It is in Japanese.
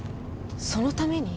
そのために？